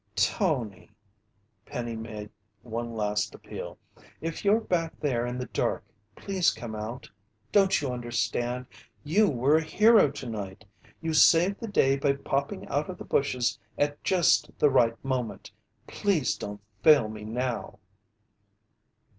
"Tony," Penny made one last appeal, "if you're back there in the dark, please come out. Don't you understand? You were a hero tonight you saved the day by popping out of the bushes at just the right moment. Please don't fail me now."